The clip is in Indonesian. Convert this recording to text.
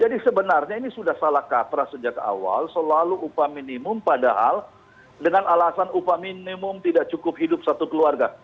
jadi sebenarnya ini sudah salah trainees sejak awal selalu upah minimum padahal dengan alasan upah minimum tidak cukup hidup satu keluarga